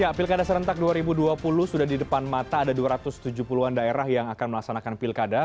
ya pilkada serentak dua ribu dua puluh sudah di depan mata ada dua ratus tujuh puluh an daerah yang akan melaksanakan pilkada